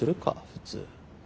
普通。